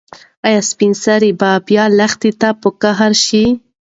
ایا سپین سرې به بیا لښتې ته په قهر شي؟